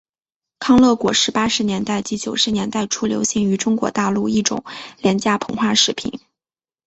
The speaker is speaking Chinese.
康乐果是八十年代及九十年代初流行于中国大陆一种廉价膨化食品。